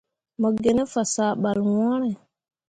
Mo gi ne fasah ɓal ŋwǝǝre.